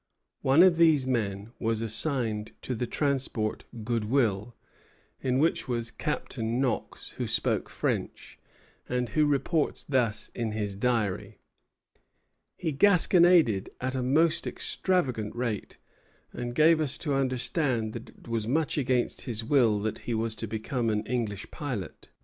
One of these men was assigned to the transport "Goodwill," in which was Captain Knox, who spoke French, and who reports thus in his Diary: "He gasconaded at a most extravagant rate, and gave us to understand that it was much against his will that he was become an English pilot.